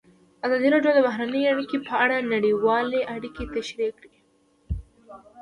ازادي راډیو د بهرنۍ اړیکې په اړه نړیوالې اړیکې تشریح کړي.